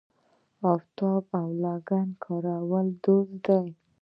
د افتابه او لګن کارول دود دی.